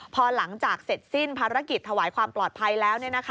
พอหลังจากเสร็จสิ้นภารกิจถวายความปลอดภัยแล้ว